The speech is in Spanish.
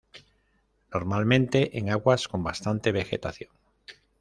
Normalmente en aguas con bastante vegetación.